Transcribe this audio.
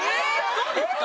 そうですか？